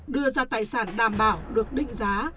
đưa ra tài sản đảm bảo được định giá